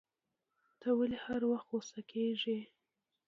ته ولي هر وخت غوسه کیږی